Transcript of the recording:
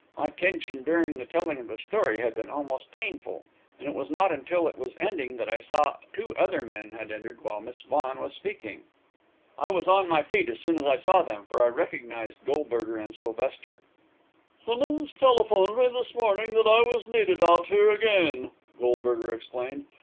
My tension during the telling of the story had been almost painful; and it was not until it was ended that I saw two other men had entered while Miss Vaughan was speaking. I was on my feet as soon as I saw them, for I recognised Goldberger and Sylvester. "Simmonds telephoned me this morning that I was needed out here again," Goldberger explained.